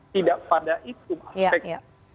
tidak pada itu aspeknya